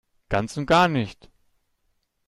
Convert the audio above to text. Ganz und gar nicht!